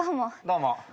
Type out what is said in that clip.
どうも。